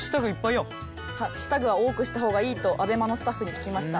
「ハッシュタグは多くした方がいいとＡＢＥＭＡのスタッフに聞きました」